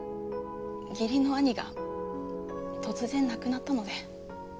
義理の兄が突然亡くなったので。